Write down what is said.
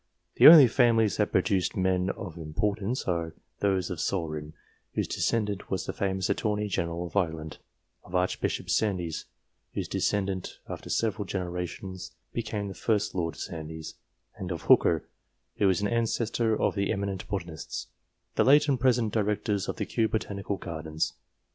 The only families that produced men of importance are those of Saurin, whose descendant was the famous Attorney General of Ireland ; of Archbishop Sandys, whose descendant after several generations became the 1st Lord Sandys ; and of Hooker, who is ancestor of the eminent botanists, the late and present Directors of the Kew Botanical Gardens.